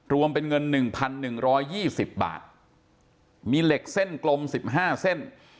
รวมเป็นเงิน๑๑๒๐บาทมีเหล็กเส้นกลม๑๕เส้น